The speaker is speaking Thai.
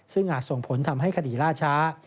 ซึ่งอาจส่งผลทำให้คดีล่าช้า